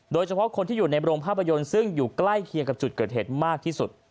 โดยเฉพาะคนที่อยู่ในโรงภาพยนตร์ซึ่งอยู่ใกล้เคียงกับจุดเกิดเหตุมากที่สุด